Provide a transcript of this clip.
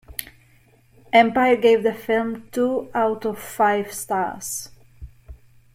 "Empire" gave the film two out of five stars.